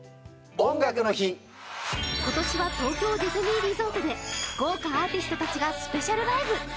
今年は東京ディズニーリゾートで豪華アーティストたちがスペシャルライブ。